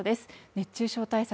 熱中症対策